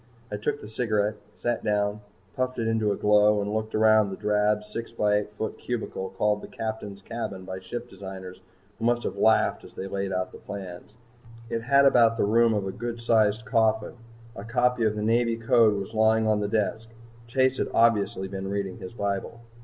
I took the cigarette, sat down, puffed it into a glow, and looked around the drab 6 x 8 foot cubicle called the Captain's cabin by ship designers who must have laughed as they laid out the plans. It had about the room of a good sized coffin. A copy of the Navy Code was lying on the desk. Chase had obviously been reading his bible.